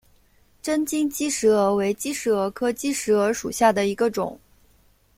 针茎姬石蛾为姬石蛾科姬石蛾属下的一个种。